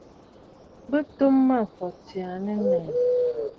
Bɨ tum Mâmfɔtì aa nɨ̀ nèʼè.